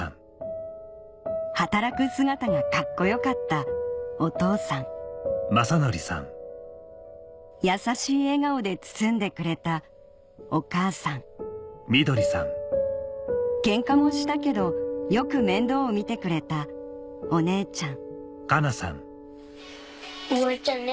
働く姿がカッコ良かったお父さん優しい笑顔で包んでくれたお母さんケンカもしたけどよく面倒を見てくれたお姉ちゃん